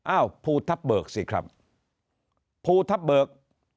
อ้าวภูทัพเบิกสิครับภูทัพเบิก